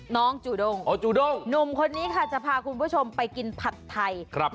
น้องจูด้งนุ่มคนนี้ค่ะจะพาคุณผู้ชมไปกินผัดไทย